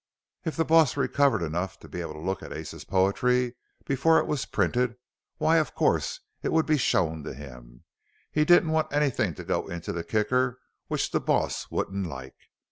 If the boss recovered enough to be able to look at Ace's poetry before it was printed, why of course it would have to be shown him. He didn't want anything to go into the Kicker which the boss wouldn't like.